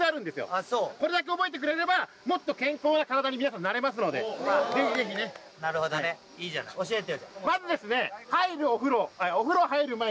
あそうこれだけ覚えてくれればもっと健康な体に皆さんなれますのでぜひぜひねなるほどね教えてよまずですね